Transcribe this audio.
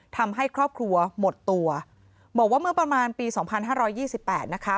ทำให้ครอบครัวหมดตัวบอกว่าเมื่อประมาณปี๒๕๒๘นะคะ